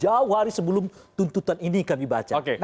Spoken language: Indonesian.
kita lakukan jauh hari sebelum tuntutan ini kami bacakan